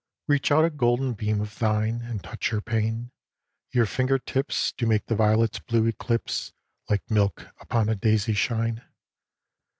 Reach out a golden beam of thine And touch, her pain. Your finger tips Do make the violets' blue eclipse Like milk upon a daisy shine.